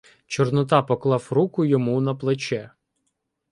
Чорнота поклав руку йому на плече.